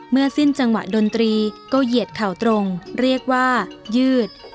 สิ้นจังหวะดนตรีก็เหยียดเข่าตรงเรียกว่ายืด